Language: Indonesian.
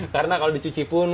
karena kalau dicuci pun